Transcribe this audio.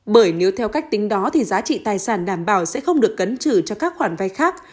bởi nếu theo cách tính đó thì giá trị tài sản đảm bảo sẽ không được cấn trừ cho các khoản vai khác